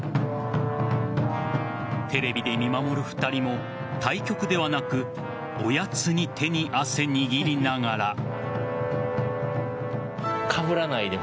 テレビで見守る２人も対局ではなくおやつに手に汗握りながら。